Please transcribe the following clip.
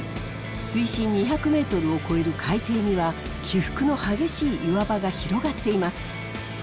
水深２００ｍを超える海底には起伏の激しい岩場が広がっています。